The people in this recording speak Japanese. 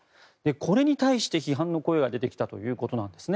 これに対して批判の声が出てきたということなんですね。